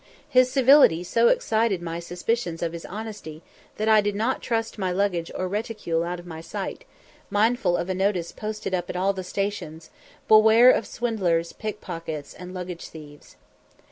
His civility so excited my suspicions of his honesty, that I did not trust my luggage or reticule out of my sight, mindful of a notice posted up at all the stations, "Beware of swindlers, pickpockets, and luggage thieves."